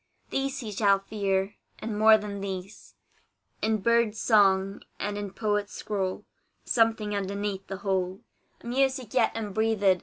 These he shall hear, and more than these In bird's song, and in poet's scroll; Something underneath the whole, A music yet unbreathed.